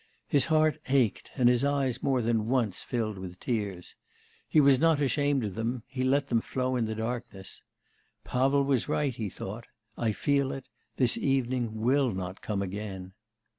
His heart ached, and his eyes more than once filled with tears. He was not ashamed of them; he let them flow in the darkness. 'Pavel was right,' he thought, 'I feel it; this evening will not come again.